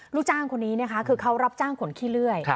ลูกจ้างคนนี้นะคะคือเขารับจ้างขนขี้เลื่อย